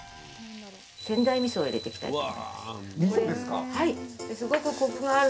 仙台みそを入れていきたいと思います。